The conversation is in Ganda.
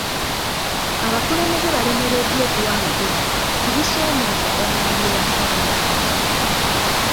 Abakulembeze balemereddwa okuwa amagezi ku bisoomooza abavubi bye basanga.